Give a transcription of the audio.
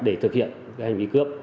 để thực hiện hành vi cướp